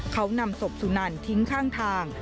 เขานำศพสุนันทิ้งข้างทาง